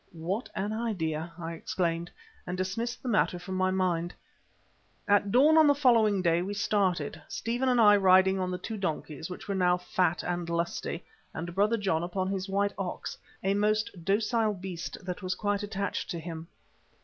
"What an idea!" I exclaimed, and dismissed the matter from my mind. At dawn, on the following day, we started, Stephen and I riding on the two donkeys, which were now fat and lusty, and Brother John upon his white ox, a most docile beast that was quite attached to him.